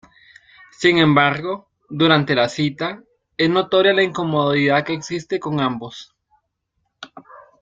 Sin embargo, durante la cita, es notoria la incomodidad que existe con ambos.